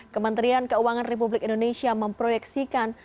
kementerian keuangan republik indonesia memproyeksikan